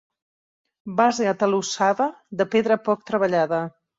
Base atalussada de pedra poc treballada.